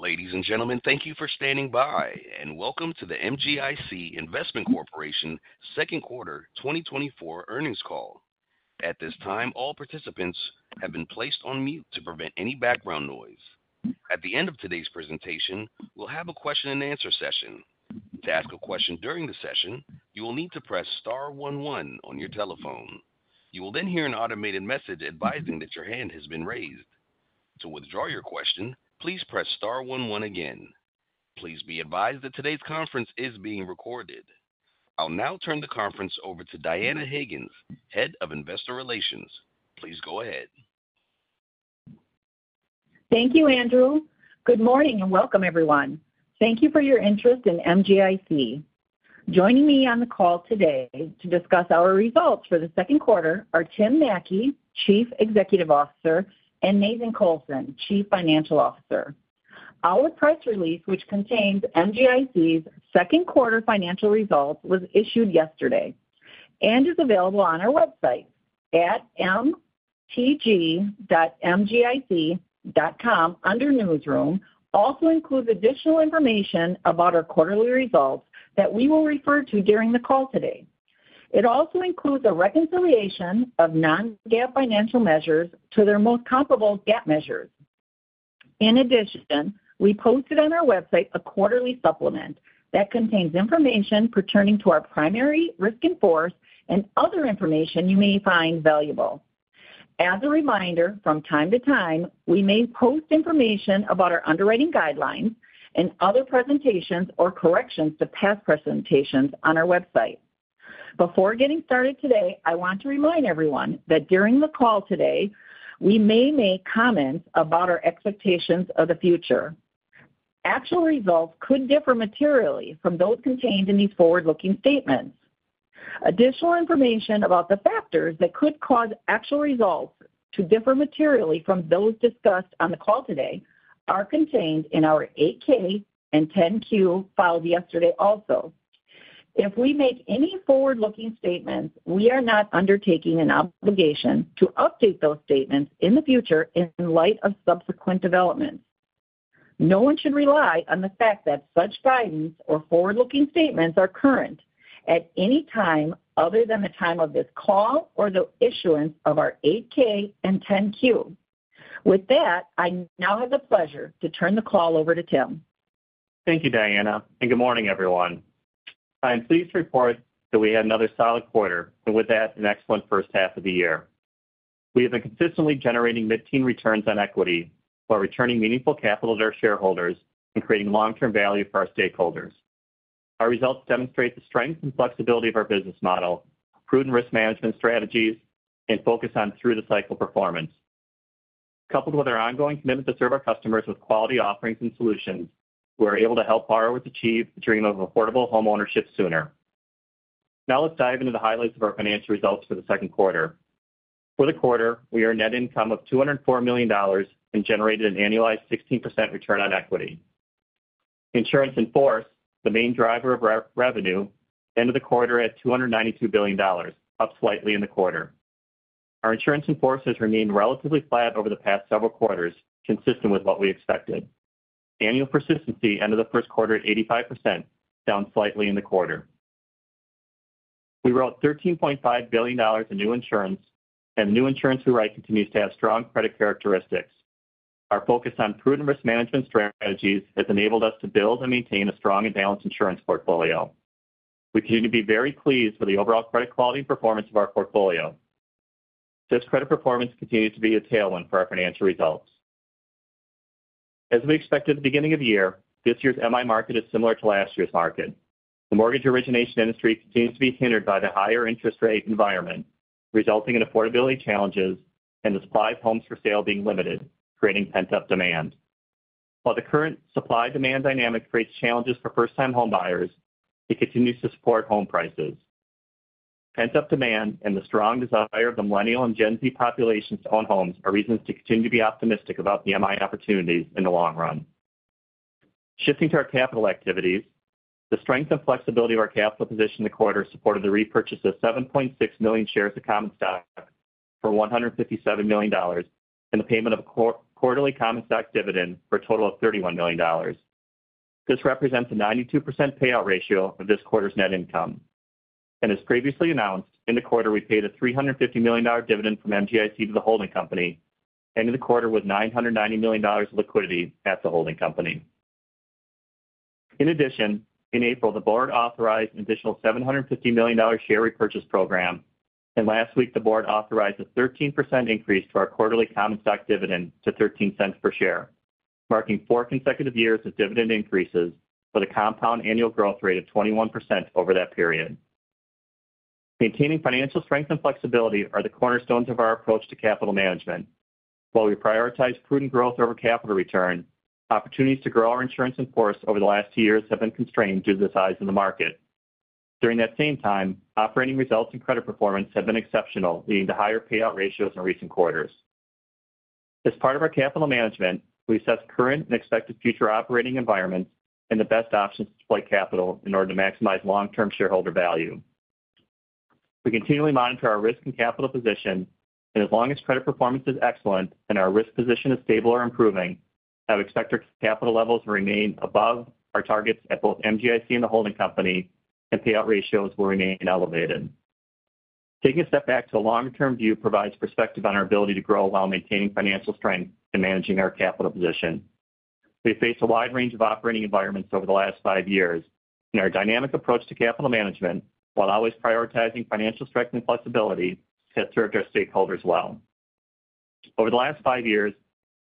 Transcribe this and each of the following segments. Ladies and gentlemen, thank you for standing by, and welcome to the MGIC Investment Corporation Second Quarter 2024 Earnings Call. At this time, all participants have been placed on mute to prevent any background noise. At the end of today's presentation, we'll have a question-and-answer session. To ask a question during the session, you will need to press star one one on your telephone. You will then hear an automated message advising that your hand has been raised. To withdraw your question, please press star one one again. Please be advised that today's conference is being recorded. I'll now turn the conference over to Diana Higgins, Head of Investor Relations. Please go ahead. Thank you, Andrew. Good morning, and welcome, everyone. Thank you for your interest in MGIC. Joining me on the call today to discuss our results for the Q2 are Tim Mattke, Chief Executive Officer, and Nathan Colson, Chief Financial Officer. Our press release, which contains MGIC's Q2 financial results, was issued yesterday and is available on our website at mtg.mgic.com under Newsroom, also includes additional information about our quarterly results that we will refer to during the call today. It also includes a reconciliation of non-GAAP financial measures to their most comparable GAAP measures. In addition, we posted on our website a quarterly supplement that contains information pertaining to our primary risk in force and other information you may find valuable. As a reminder, from time to time, we may post information about our underwriting guidelines and other presentations or corrections to past presentations on our website. Before getting started today, I want to remind everyone that during the call today, we may make comments about our expectations of the future. Actual results could differ materially from those contained in these forward-looking statements. Additional information about the factors that could cause actual results to differ materially from those discussed on the call today are contained in our 8-K and 10-Q filed yesterday also. If we make any forward-looking statements, we are not undertaking an obligation to update those statements in the future in light of subsequent developments. No one should rely on the fact that such guidance or forward-looking statements are current at any time other than the time of this call or the issuance of our 8-K and 10-Q. With that, I now have the pleasure to turn the call over to Tim. Thank you, Diana, and good morning, everyone. I am pleased to report that we had another solid quarter, and with that, an excellent H1 of the year. We have been consistently generating mid-teen returns on equity while returning meaningful capital to our shareholders and creating long-term value for our stakeholders. Our results demonstrate the strength and flexibility of our business model, prudent risk management strategies, and focus on through the cycle performance. Coupled with our ongoing commitment to serve our customers with quality offerings and solutions, we're able to help borrowers achieve the dream of affordable homeownership sooner. Now let's dive into the highlights of our financial results for the Q2. For the quarter, we earned net income of $204 million and generated an annualized 16% return on equity. Insurance in force, the main driver of revenue, ended the quarter at $292 billion, up slightly in the quarter. Our insurance in force has remained relatively flat over the past several quarters, consistent with what we expected. Annual persistency ended the Q1 at 85%, down slightly in the quarter. We wrote $13.5 billion in new insurance, and new insurance we write continues to have strong credit characteristics. Our focus on prudent risk management strategies has enabled us to build and maintain a strong and balanced insurance portfolio. We continue to be very pleased with the overall credit quality performance of our portfolio. This credit performance continues to be a tailwind for our financial results. As we expected at the beginning of the year, this year's MI market is similar to last year's market. The mortgage origination industry continues to be hindered by the higher interest rate environment, resulting in affordability challenges and the supply of homes for sale being limited, creating pent-up demand. While the current supply-demand dynamic creates challenges for first-time homebuyers, it continues to support home prices. Pent-up demand and the strong desire of the Millennial and Gen Z populations to own homes are reasons to continue to be optimistic about the MI opportunities in the long run. Shifting to our capital activities, the strength and flexibility of our capital position in the quarter supported the repurchase of 7.6 million shares of common stock for $157 million, and the payment of a quarterly common stock dividend for a total of $31 million. This represents a 92% payout ratio of this quarter's net income. As previously announced, in the quarter, we paid a $350 million dividend from MGIC to the holding company, ending the quarter with $990 million of liquidity at the holding company. In addition, in April, the board authorized an additional $750 million share repurchase program, and last week, the board authorized a 13% increase to our quarterly common stock dividend to $0.13 per share, marking four consecutive years of dividend increases with a compound annual growth rate of 21% over that period. Maintaining financial strength and flexibility are the cornerstones of our approach to capital management. While we prioritize prudent growth over capital return, opportunities to grow our insurance in force over the last two years have been constrained due to the size of the market. During that same time, operating results and credit performance have been exceptional, leading to higher payout ratios in recent quarters. As part of our capital management, we assess current and expected future operating environments and the best options to deploy capital in order to maximize long-term shareholder value… We continually monitor our risk and capital position, and as long as credit performance is excellent and our risk position is stable or improving, I would expect our capital levels to remain above our targets at both MGIC and the holding company, and payout ratios will remain elevated. Taking a step back to a long-term view provides perspective on our ability to grow while maintaining financial strength and managing our capital position. We've faced a wide range of operating environments over the last five years, and our dynamic approach to capital management, while always prioritizing financial strength and flexibility, has served our stakeholders well. Over the last five years,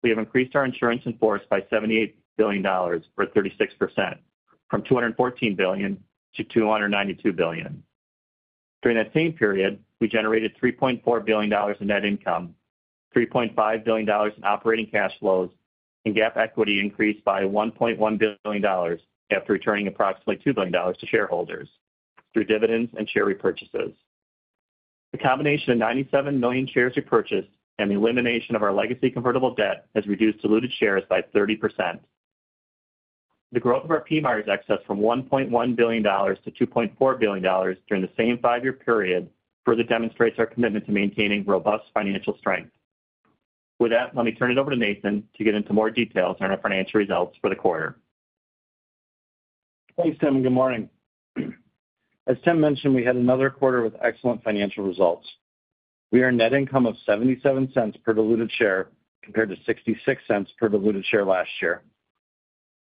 we have increased our insurance in force by $78 billion, or 36%, from $214 billion to $292 billion. During that same period, we generated $3.4 billion in net income, $3.5 billion in operating cash flows, and GAAP equity increased by $1.1 billion after returning approximately $2 billion to shareholders through dividends and share repurchases. The combination of 97 million shares repurchased and the elimination of our legacy convertible debt has reduced diluted shares by 30%. The growth of our PMIERs excess from $1.1 billion-$2.4 billion during the same five-year period further demonstrates our commitment to maintaining robust financial strength. With that, let me turn it over to Nathan to get into more details on our financial results for the quarter. Thanks, Tim, and good morning. As Tim mentioned, we had another quarter with excellent financial results. We earned net income of $0.77 per diluted share, compared to $0.66 per diluted share last year.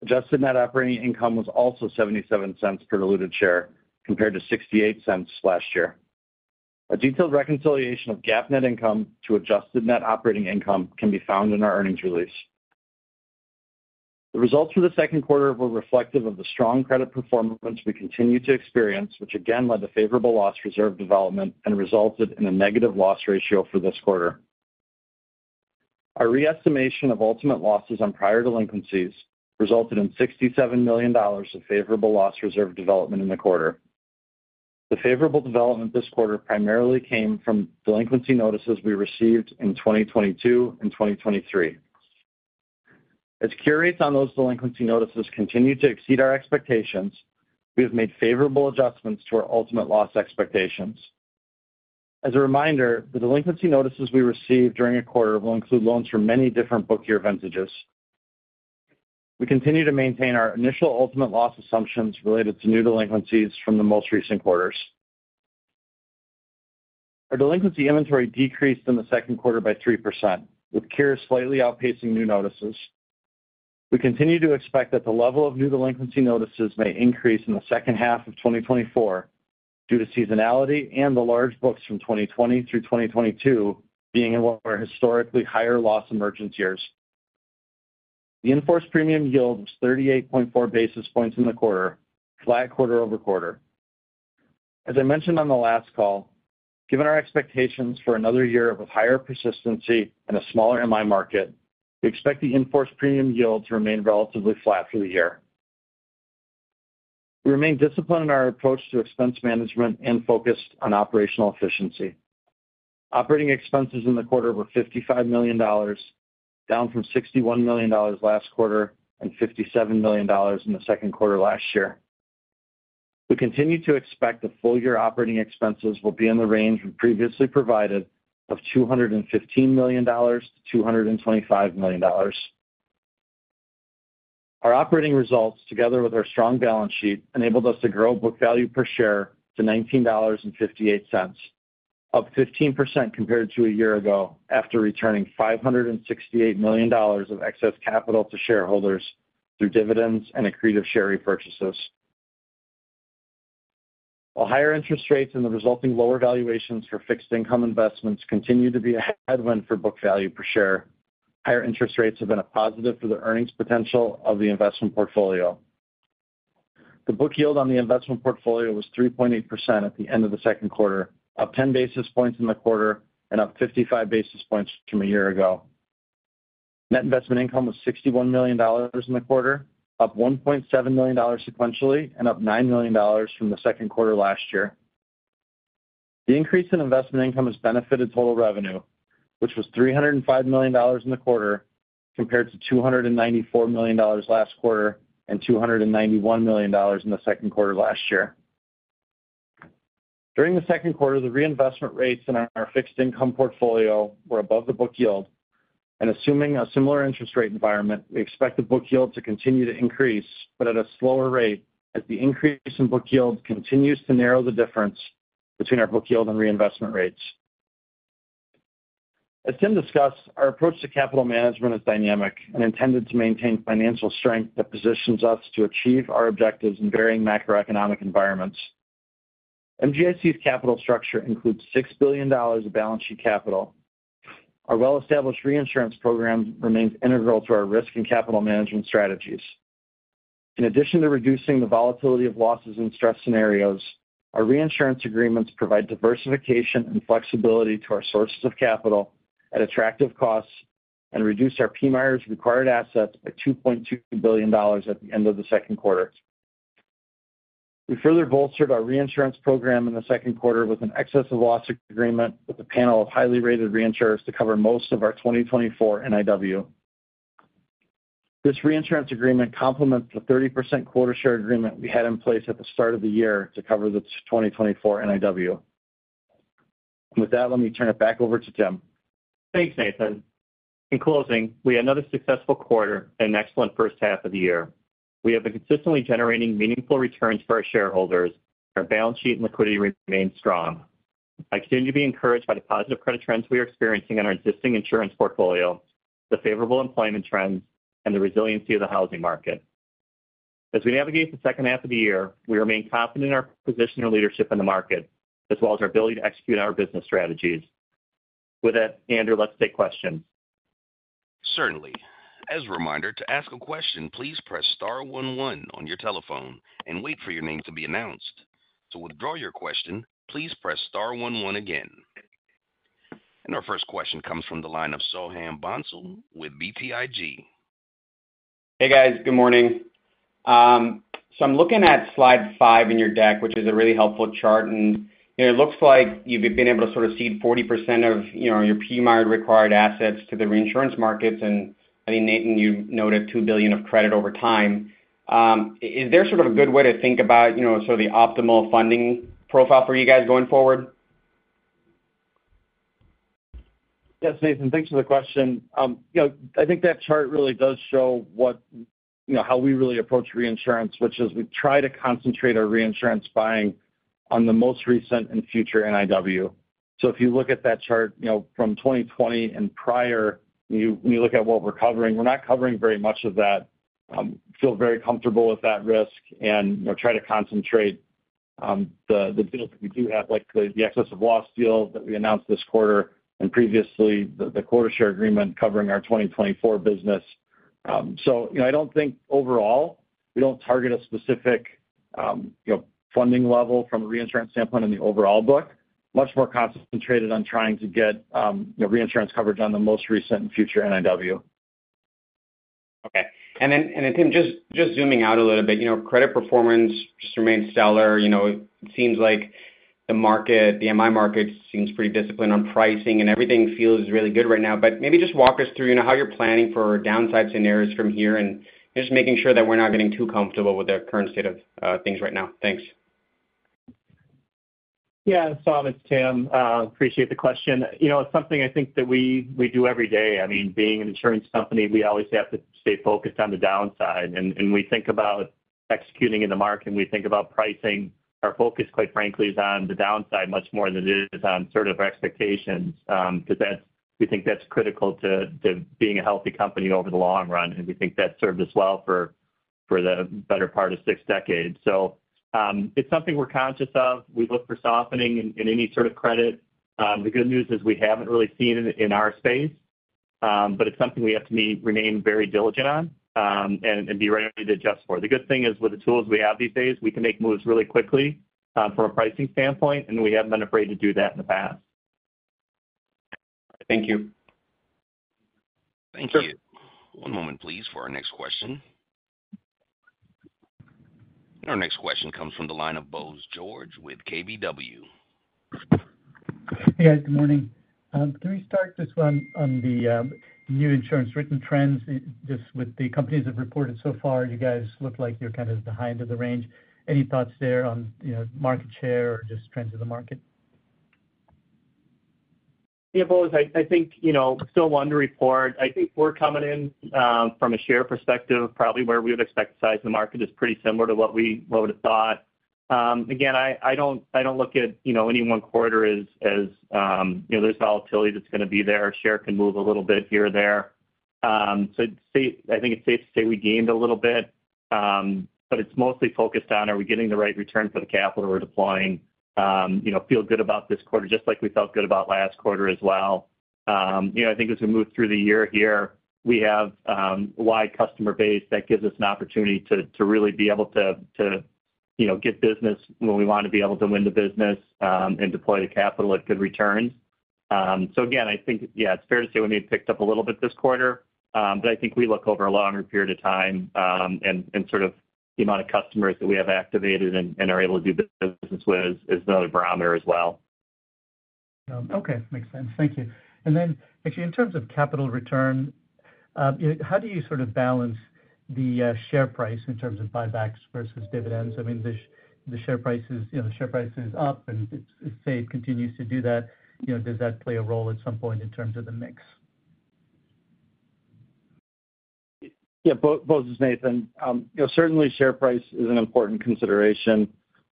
Adjusted net operating income was also $0.77 per diluted share, compared to $0.68 last year. A detailed reconciliation of GAAP net income to adjusted net operating income can be found in our earnings release. The results for the Q2 were reflective of the strong credit performance we continue to experience, which again led to favorable loss reserve development and resulted in a negative loss ratio for this quarter. Our re-estimation of ultimate losses on prior delinquencies resulted in $67 million of favorable loss reserve development in the quarter. The favorable development this quarter primarily came from delinquency notices we received in 2022 and 2023. As cure rates on those delinquency notices continue to exceed our expectations, we have made favorable adjustments to our ultimate loss expectations. As a reminder, the delinquency notices we receive during a quarter will include loans from many different book year vintages. We continue to maintain our initial ultimate loss assumptions related to new delinquencies from the most recent quarters. Our delinquency inventory decreased in the Q2 by 3%, with cure slightly outpacing new notices. We continue to expect that the level of new delinquency notices may increase in the H2 of 2024 due to seasonality and the large books from 2020 through 2022 being in what were historically higher loss emergence years. The enforced premium yield was 38.4 basis points in the quarter, flat quarter over quarter. As I mentioned on the last call, given our expectations for another year of higher persistency and a smaller MI market, we expect the in force premium yield to remain relatively flat through the year. We remain disciplined in our approach to expense management and focused on operational efficiency. Operating expenses in the quarter were $55 million, down from $61 million last quarter and $57 million in the Q2 last year. We continue to expect the full-year operating expenses will be in the range we previously provided of $215 million-$225 million. Our operating results, together with our strong balance sheet, enabled us to grow book value per share to $19.58, up 15% compared to a year ago, after returning $568 million of excess capital to shareholders through dividends and accretive share repurchases. While higher interest rates and the resulting lower valuations for fixed income investments continue to be a headwind for book value per share, higher interest rates have been a positive for the earnings potential of the investment portfolio. The book yield on the investment portfolio was 3.8% at the end of the Q2, up 10 basis points in the quarter and up 55 basis points from a year ago. Net investment income was $61 million in the quarter, up $1.7 million sequentially and up $9 million from the Q2 last year. The increase in investment income has benefited total revenue, which was $305 million in the quarter, compared to $294 million last quarter and $291 million in the Q2 last year. During the Q2, the reinvestment rates in our fixed income portfolio were above the book yield, and assuming a similar interest rate environment, we expect the book yield to continue to increase, but at a slower rate, as the increase in book yield continues to narrow the difference between our book yield and reinvestment rates. As Tim discussed, our approach to capital management is dynamic and intended to maintain financial strength that positions us to achieve our objectives in varying macroeconomic environments. MGIC's capital structure includes $6 billion of balance sheet capital. Our well-established reinsurance program remains integral to our risk and capital management strategies. In addition to reducing the volatility of losses in stress scenarios, our reinsurance agreements provide diversification and flexibility to our sources of capital at attractive costs and reduce our PMIERs required assets by $2.2 billion at the end of the Q2. We further bolstered our reinsurance program in the Q2 with an excess of loss agreement with a panel of highly rated reinsurers to cover most of our 2024 NIW.... This reinsurance agreement complements the 30% quota share agreement we had in place at the start of the year to cover the 2024 NIW. And with that, let me turn it back over to Tim. Thanks, Nathan. In closing, we had another successful quarter and an excellent H1 of the year. We have been consistently generating meaningful returns for our shareholders. Our balance sheet and liquidity remains strong. I continue to be encouraged by the positive credit trends we are experiencing on our existing insurance portfolio, the favorable employment trends, and the resiliency of the housing market. As we navigate the H2 of the year, we remain confident in our position and leadership in the market, as well as our ability to execute our business strategies. With that, Andrew, let's take questions. Certainly. As a reminder, to ask a question, please press star one one on your telephone and wait for your name to be announced. To withdraw your question, please press star one one again. Our first question comes from the line of Soham Bansal with BTIG. Hey, guys. Good morning. So I'm looking at slide 5 in your deck, which is a really helpful chart, and, you know, it looks like you've been able to sort of cede 40% of, you know, your PMIER required assets to the reinsurance markets, and I think, Nathan, you noted $2 billion of credit over time. Is there sort of a good way to think about, you know, sort of the optimal funding profile for you guys going forward? Yes, Nathan, thanks for the question. You know, I think that chart really does show what, you know, how we really approach reinsurance, which is we try to concentrate our reinsurance buying on the most recent and future NIW. So if you look at that chart, you know, from 2020 and prior, when you look at what we're covering, we're not covering very much of that, feel very comfortable with that risk and, you know, try to concentrate the deals that we do have, like the excess of loss deal that we announced this quarter and previously, the quota share agreement covering our 2024 business. So, you know, I don't think overall, we don't target a specific, you know, funding level from a reinsurance standpoint in the overall book. Much more concentrated on trying to get, you know, reinsurance coverage on the most recent and future NIW. Okay. And then, Tim, just zooming out a little bit, you know, credit performance just remains stellar. You know, it seems like the market, the MI market seems pretty disciplined on pricing, and everything feels really good right now. But maybe just walk us through, you know, how you're planning for downside scenarios from Mihir, and just making sure that we're not getting too comfortable with the current state of things right now. Thanks. Yeah, Soham, it's Tim. Appreciate the question. You know, it's something I think that we, we do every day. I mean, being an insurance company, we always have to stay focused on the downside, and we think about executing in the market, and we think about pricing. Our focus, quite frankly, is on the downside much more than it is on sort of our expectations, because that's-- we think that's critical to being a healthy company over the long run, and we think that served us well for the better part of six decades. So, it's something we're conscious of. We look for softening in any sort of credit. The good news is we haven't really seen it in our space, but it's something we have to remain very diligent on, and be ready to adjust for. The good thing is, with the tools we have these days, we can make moves really quickly, from a pricing standpoint, and we haven't been afraid to do that in the past. Thank you. Thank you. One moment, please, for our next question. Our next question comes from the line of Bose George with KBW. Hey, guys, good morning. Can we start just on the new insurance written trends, just with the companies that have reported so far? You guys look like you're kind of behind the range. Any thoughts there on, you know, market share or just trends in the market? Yeah, Bose, I think, you know, still one to report. I think we're coming in from a share perspective, probably where we would expect. The size of the market is pretty similar to what we would have thought. Again, I don't look at, you know, any one quarter as, you know, there's volatility that's going to be there. Share can move a little bit here or there. So I think it's safe to say we gained a little bit, but it's mostly focused on are we getting the right return for the capital we're deploying? You know, feel good about this quarter, just like we felt good about last quarter as well. You know, I think as we move through the year here, we have a wide customer base that gives us an opportunity to really be able to get business when we want to be able to win the business, and deploy the capital at good returns. So again, I think, yeah, it's fair to say we may have picked up a little bit this quarter, but I think we look over a longer period of time, and sort of the amount of customers that we have activated and are able to do business with is another barometer as well. Okay. Makes sense. Thank you. And then, actually, in terms of capital return, how do you sort of balance the share price in terms of buybacks versus dividends? I mean, the share price is, you know, the share price is up, and if it continues to do that, you know, does that play a role at some point in terms of the mix? Yeah, Bose, it's Nathan. You know, certainly share price is an important consideration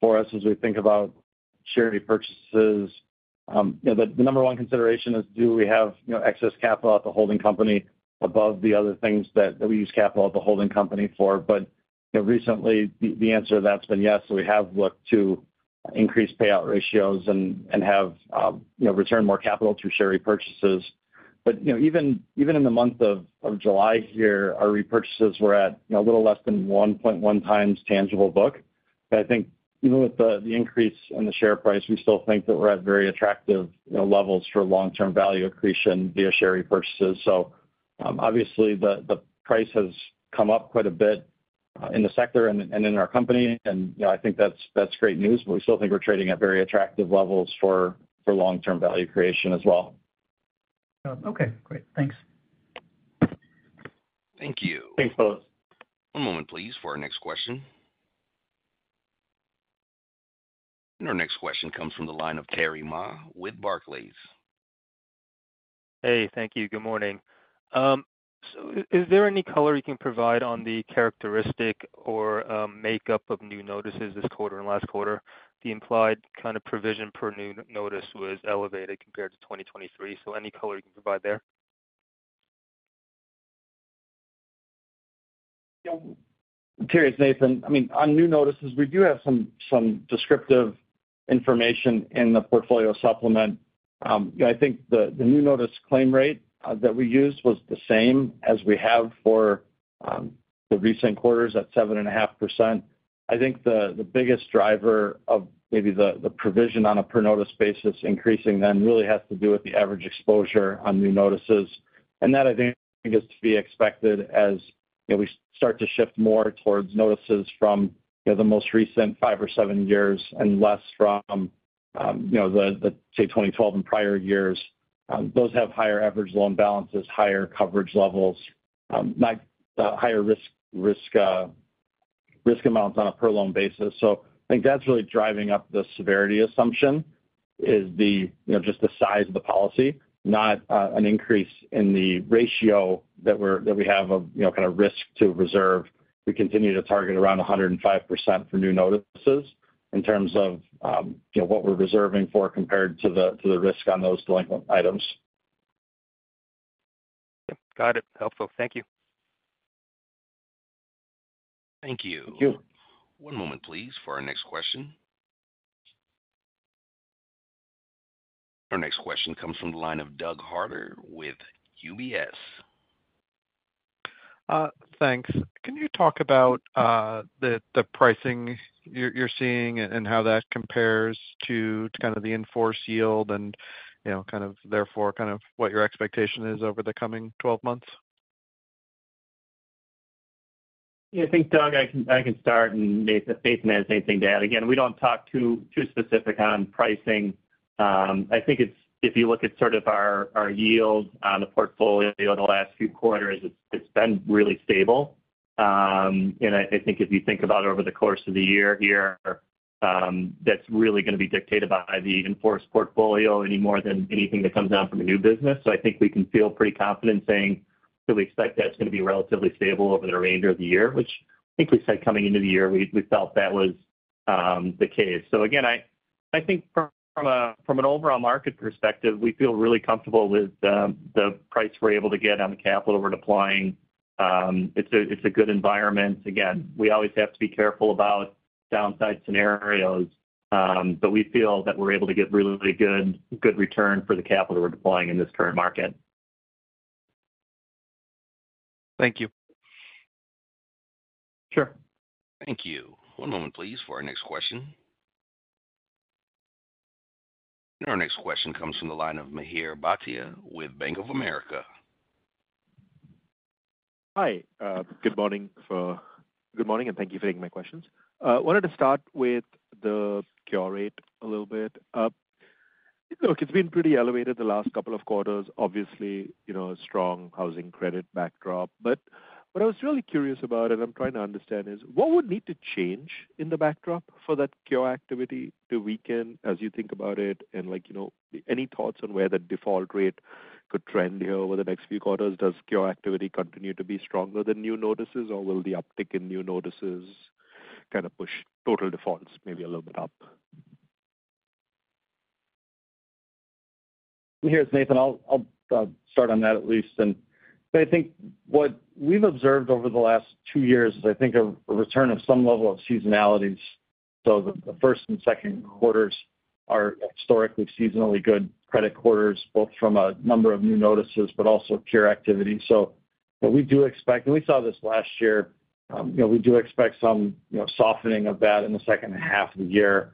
for us as we think about share repurchases. You know, the number one consideration is do we have, you know, excess capital at the holding company above the other things that we use capital at the holding company for? But, you know, recently, the answer to that's been yes, so we have looked to increase payout ratios and have, you know, return more capital through share repurchases. But, you know, even in the month of July here, our repurchases were at, you know, a little less than 1.1 times tangible book. But I think even with the increase in the share price, we still think that we're at very attractive, you know, levels for long-term value accretion via share repurchases. So, obviously, the price has come up quite a bit in the sector and in our company, and, you know, I think that's great news. But we still think we're trading at very attractive levels for long-term value creation as well. Okay, great. Thanks. Thank you. Thanks, both. One moment, please, for our next question. Our next question comes from the line of Terry Ma with Barclays. Hey, thank you. Good morning. So, is there any color you can provide on the characteristic or makeup of new notices this quarter and last quarter? The implied kind of provision per new notice was elevated compared to 2023. So any color you can provide there? Yeah. Terry, it's Nathan. I mean, on new notices, we do have some descriptive information in the portfolio supplement. I think the new notice claim rate that we used was the same as we have for the recent quarters at 7.5%. I think the biggest driver of maybe the provision on a per-notice basis increasing then really has to do with the average exposure on new notices. And that, I think, is to be expected as, you know, we start to shift more towards notices from, you know, the most recent 5 or 7 years and less from, you know, the, say, 2012 and prior years. Those have higher average loan balances, higher coverage levels, like, higher risk amounts on a per loan basis. So I think that's really driving up the severity assumption is the, you know, just the size of the policy, not an increase in the ratio that we have of, you know, kind of risk to reserve. We continue to target around 105% for new notices in terms of, you know, what we're reserving for compared to the, to the risk on those delinquent items. Yep, got it. Helpful. Thank you. Thank you. Thank you. One moment, please, for our next question. Our next question comes from the line of Doug Harter with UBS. Thanks. Can you talk about the pricing you're seeing and how that compares to kind of the in-force yield and, you know, kind of therefore, kind of what your expectation is over the coming 12 months? Yeah, I think, Doug, I can, I can start, and Nathan, if Nathan has anything to add. Again, we don't talk too, too specific on pricing. I think it's, if you look at sort of our, our yield on the portfolio over the last few quarters, it's, it's been really stable. And I think if you think about over the course of the year here, that's really gonna be dictated by the in-force portfolio any more than anything that comes down from the new business. So I think we can feel pretty confident saying that we expect that's gonna be relatively stable over the remainder of the year, which I think we said coming into the year, we, we felt that was, the case. Again, I think from an overall market perspective, we feel really comfortable with the price we're able to get on the capital we're deploying. It's a good environment. Again, we always have to be careful about downside scenarios, but we feel that we're able to get really good return for the capital we're deploying in this current market. Thank you. Sure. Thank you. One moment, please, for our next question. Our next question comes from the line of Mihir Bhatia with Bank of America. Hi, good morning, and thank you for taking my questions. Wanted to start with the cure rate a little bit. Look, it's been pretty elevated the last couple of quarters. Obviously, you know, a strong housing credit backdrop. But what I was really curious about, and I'm trying to understand, is what would need to change in the backdrop for that cure activity to weaken as you think about it? And like, you know, any thoughts on where the default rate could trend here over the next few quarters? Does cure activity continue to be stronger than new notices, or will the uptick in new notices kind of push total defaults maybe a little bit up? Mihir, it's Nathan. I'll start on that at least. I think what we've observed over the last two years is, I think, a return of some level of seasonality. So the first and Q2s are historically seasonally good credit quarters, both from a number of new notices, but also cure activity. So what we do expect, and we saw this last year, you know, we do expect some softening of that in the H2 of the year.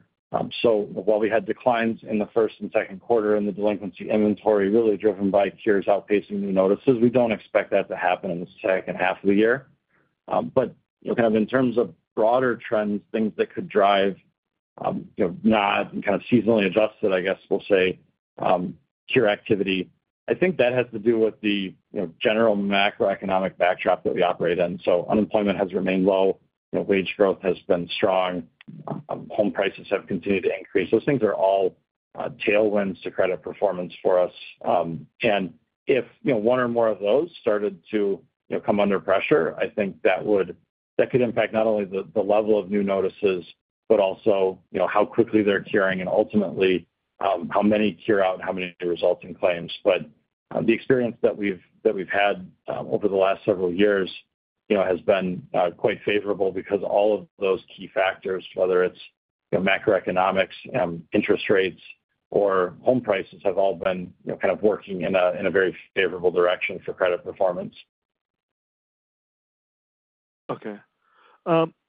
So while we had declines in the first and Q2 in the delinquency inventory, really driven by cures outpacing new notices, we don't expect that to happen in the H2 of the year. But, you know, kind of in terms of broader trends, things that could drive, you know, not kind of seasonally adjusted, I guess we'll say, cure activity, I think that has to do with the, you know, general macroeconomic backdrop that we operate in. So unemployment has remained low, you know, wage growth has been strong, home prices have continued to increase. Those things are all, tailwinds to credit performance for us. And if, you know, one or more of those started to, you know, come under pressure, I think that would, that could impact not only the level of new notices, but also, you know, how quickly they're curing and ultimately, how many cure out and how many result in claims. But, the experience that we've had over the last several years, you know, has been quite favorable because all of those key factors, whether it's, you know, macroeconomics, interest rates, or home prices, have all been, you know, kind of working in a very favorable direction for credit performance. Okay.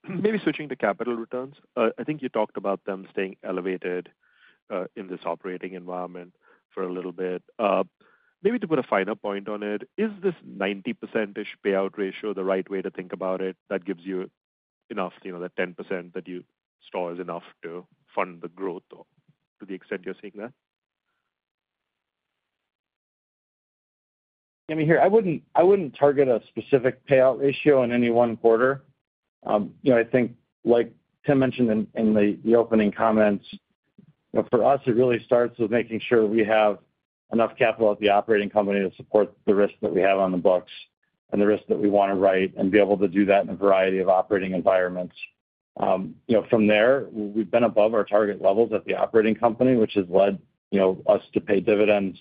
Maybe switching to capital returns. I think you talked about them staying elevated... in this operating environment for a little bit. Maybe to put a finer point on it, is this 90%-ish payout ratio the right way to think about it, that gives you enough, you know, the 10% that you store is enough to fund the growth, or to the extent you're seeing that? Yeah, Mihir. I wouldn't, I wouldn't target a specific payout ratio in any one quarter. You know, I think like Tim mentioned in the opening comments, you know, for us, it really starts with making sure we have enough capital at the operating company to support the risk that we have on the books and the risk that we wanna write, and be able to do that in a variety of operating environments. You know, from there, we've been above our target levels at the operating company, which has led, you know, us to pay dividends,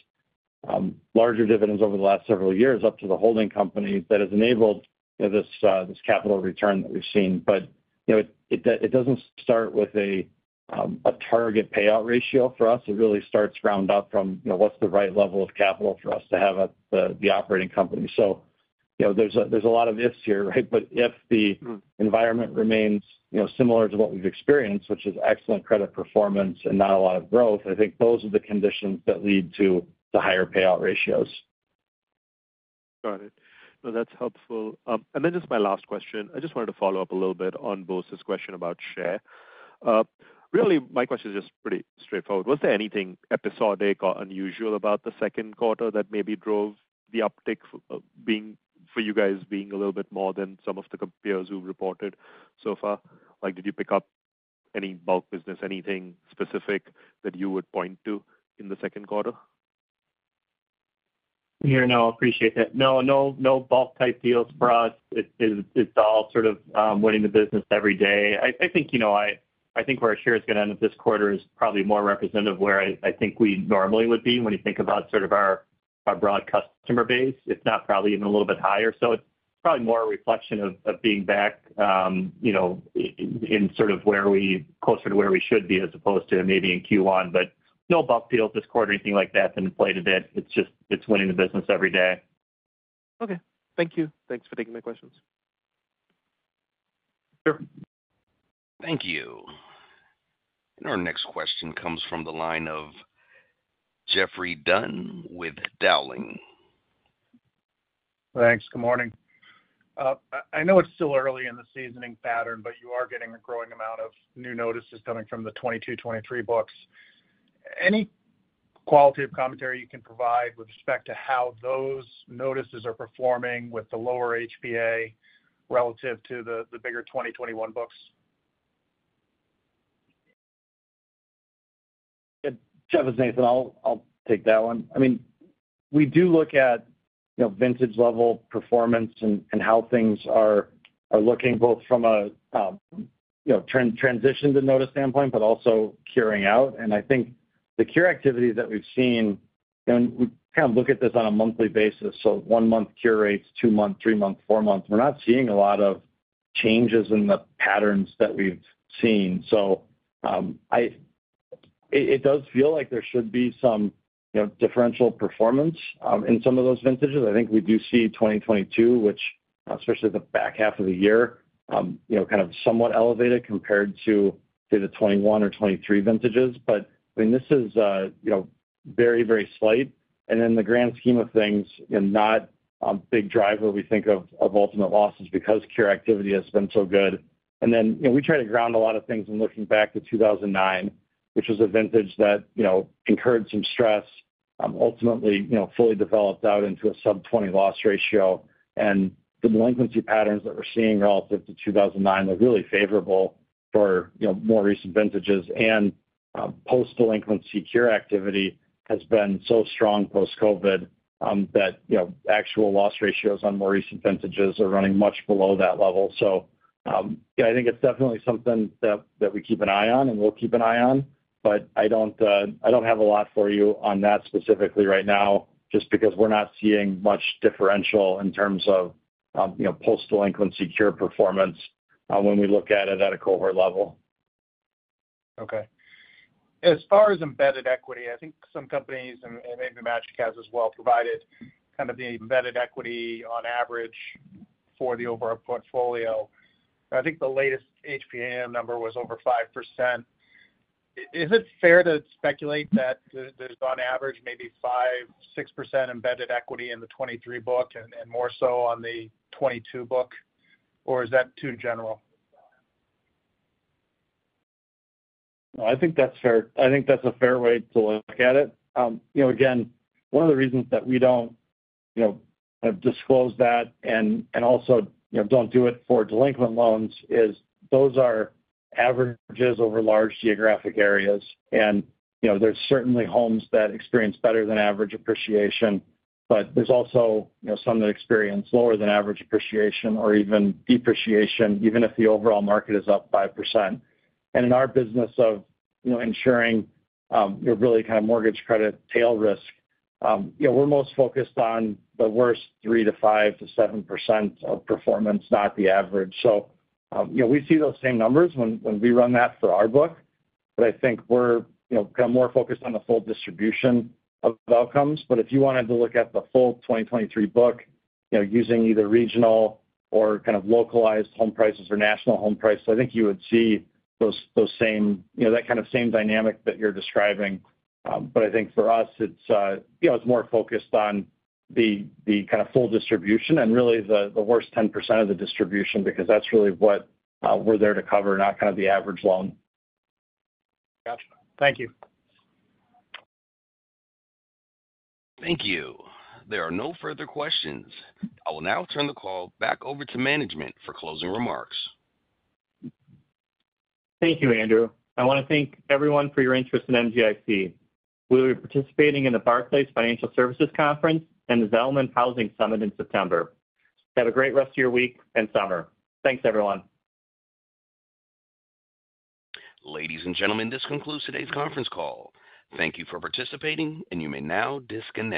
larger dividends over the last several years, up to the holding company that has enabled, you know, this capital return that we've seen. But, you know, it doesn't start with a target payout ratio for us. It really starts ground up from, you know, what's the right level of capital for us to have at the operating company. So, you know, there's a lot of ifs here, right? But if the- Mm-hmm... environment remains, you know, similar to what we've experienced, which is excellent credit performance and not a lot of growth, I think those are the conditions that lead to the higher payout ratios. Got it. No, that's helpful. And then just my last question, I just wanted to follow up a little bit on Bose's question about share. Really, my question is just pretty straightforward. Was there anything episodic or unusual about the Q2 that maybe drove the uptick for you guys being a little bit more than some of the peers who've reported so far? Like, did you pick up any bulk business, anything specific that you would point to in the Q2? Here, no, appreciate that. No, no, no bulk-type deals for us. It's all sort of winning the business every day. I think, you know, I think where our share is gonna end up this quarter is probably more representative of where I think we normally would be when you think about sort of our broad customer base. It's not probably even a little bit higher. So it's probably more a reflection of being back, you know, in sort of where we - closer to where we should be, as opposed to maybe in Q1. But no bulk deals this quarter or anything like that that inflated it. It's just winning the business every day. Okay. Thank you. Thanks for taking my questions. Sure. Thank you. Our next question comes from the line of Jeffrey Dunn with Dowling. Thanks. Good morning. I know it's still early in the seasoning pattern, but you are getting a growing amount of new notices coming from the 2022, 2023 books. Any qualitative commentary you can provide with respect to how those notices are performing with the lower HPA relative to the, the bigger 2021 books? Yeah, Jeff, it's Nathan. I'll take that one. I mean, we do look at, you know, vintage-level performance and how things are looking, both from a, you know, transition to notice standpoint, but also curing out. And I think the cure activity that we've seen. And we kind of look at this on a monthly basis, so one-month cure rates, two-month, three-month, four-month. We're not seeing a lot of changes in the patterns that we've seen. So, it does feel like there should be some, you know, differential performance, in some of those vintages. I think we do see 2022, which, especially the back half of the year, you know, kind of somewhat elevated compared to say the 2021 or 2023 vintages. But, I mean, this is, you know, very, very slight, and in the grand scheme of things, you know, not a big driver we think of, of ultimate losses, because cure activity has been so good. And then, you know, we try to ground a lot of things when looking back to 2009, which was a vintage that, you know, incurred some stress, ultimately, you know, fully developed out into a sub-20 loss ratio. And the delinquency patterns that we're seeing relative to 2009 are really favorable for, you know, more recent vintages. And, post-delinquency cure activity has been so strong post-COVID, that, you know, actual loss ratios on more recent vintages are running much below that level. So, yeah, I think it's definitely something that, that we keep an eye on and will keep an eye on, but I don't, I don't have a lot for you on that specifically right now, just because we're not seeing much differential in terms of, you know, post-delinquency cure performance, when we look at it at a cohort level. Okay. As far as embedded equity, I think some companies, and maybe MGIC as well, provided kind of the embedded equity on average for the overall portfolio. I think the latest HPA number was over 5%. Is it fair to speculate that there's on average, maybe 5-6% embedded equity in the 2023 book and more so on the 2022 book, or is that too general? No, I think that's fair. I think that's a fair way to look at it. You know, again, one of the reasons that we don't, you know, disclose that and, and also, you know, don't do it for delinquent loans is, those are averages over large geographic areas. You know, there's certainly homes that experience better than average appreciation, but there's also, you know, some that experience lower than average appreciation or even depreciation, even if the overall market is up 5%. In our business of, you know, ensuring, really kind of mortgage credit tail risk, you know, we're most focused on the worst 3%-5%-7% of performance, not the average. So, you know, we see those same numbers when we run that for our book, but I think we're, you know, kind of more focused on the full distribution of outcomes. But if you wanted to look at the full 2023 book, you know, using either regional or kind of localized home prices or national home prices, I think you would see those same, you know, that kind of same dynamic that you're describing. But I think for us, it's, you know, it's more focused on the kind of full distribution and really the worst 10% of the distribution, because that's really what we're there to cover, not kind of the average loan. Gotcha. Thank you. Thank you. There are no further questions. I will now turn the call back over to management for closing remarks. Thank you, Andrew. I wanna thank everyone for your interest in MGIC. We'll be participating in the Barclays Financial Services Conference and the Zelman Housing Summit in September. Have a great rest of your week and summer. Thanks, everyone. Ladies and gentlemen, this concludes today's conference call. Thank you for participating, and you may now disconnect.